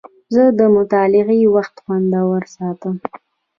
زه د مطالعې وخت خوندور ساتم.